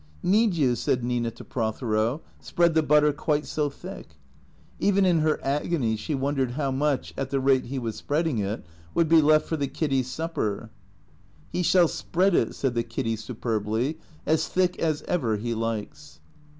" N"eed you," said Nina to Prothero, " spread the butter quite so thick ?" Even in her agony she wondered how much, at the rate he was spreading it, would be left for the Kiddy's supper. " He shall spread it," said the Kiddy superbly, " as thick as ever he likes."